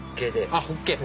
あっホッケ。